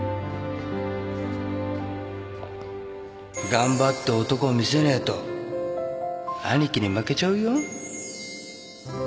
頑張って男見せねえと兄貴に負けちゃうよ